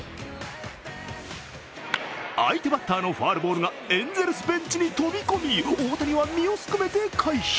相手バッターのファウルボールがエンゼルスベンチに飛び込み大谷は身をすくめて回避。